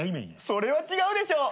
それは違うでしょ。